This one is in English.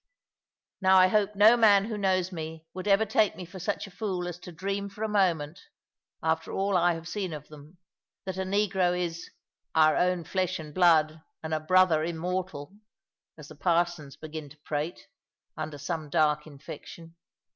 Now I hope no man who knows me would ever take me for such a fool as to dream for a moment after all I have seen of them that a negro is "our own flesh and blood, and a brother immortal," as the parsons begin to prate, under some dark infection.